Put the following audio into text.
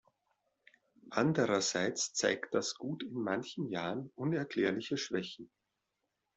Andererseits zeigt das Gut in manchen Jahren unerklärliche Schwächen.